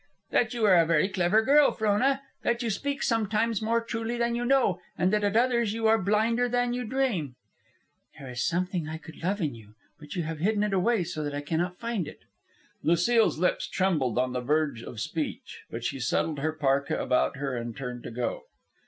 "That you are a very clever girl, Frona. That you speak sometimes more truly than you know, and that at others you are blinder than you dream." "There is something I could love in you, but you have hidden it away so that I cannot find it." Lucile's lips trembled on the verge of speech. But she settled her parka about her and turned to go.